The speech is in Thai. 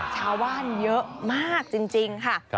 ใช่ว่านเยอะมากจริงค่ะครับ